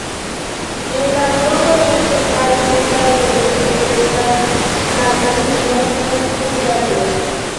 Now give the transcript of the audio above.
En la nordoriento kaj en la oriento estas ŝtata limo kun Bulgario.